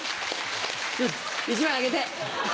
１枚あげて。